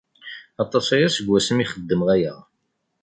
Aṭas aya seg wasmi i xeddmeɣ aya.